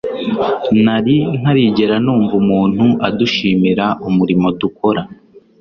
nari ntarigera numva umuntu adushimira umurimo dukora